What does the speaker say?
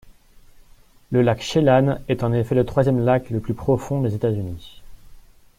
Le lac Chelan est en effet le troisième lac le plus profond des États-Unis.